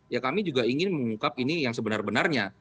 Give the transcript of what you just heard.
ya kami juga ingin mengungkap ini yang sebenar benarnya